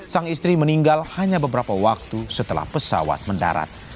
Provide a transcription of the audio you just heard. sang istri meninggal hanya beberapa waktu setelah pesawat mendarat